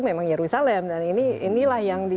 memang yerusalem dan inilah yang di